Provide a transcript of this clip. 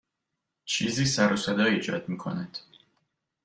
چیزی سر و صدا ایجاد می کند.